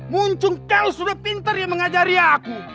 muncul kau sudah pintar yang mengajari aku